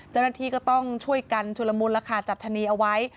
เจ้าหน้าที่ก็ต้องช่วยกันชุลมุนแล้วค่ะจับชะนีเอาไว้